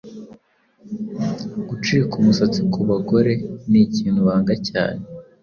Gucika umusatsi ku bagore nikintu banga cyane